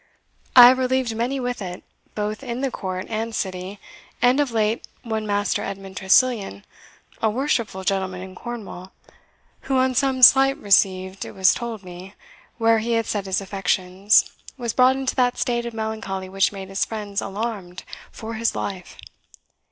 I have relieved many with it, both in court and city, and of late one Master Edmund Tressilian, a worshipful gentleman in Cornwall, who, on some slight received, it was told me, where he had set his affections, was brought into that state of melancholy which made his friends alarmed for his life."